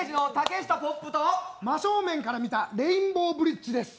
真正面から見たレインボーブリッジです。